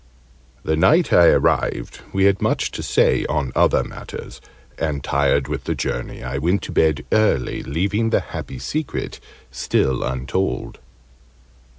The night I arrived we had much to say on other matters: and, tired with the journey, I went to bed early, leaving the happy secret still untold.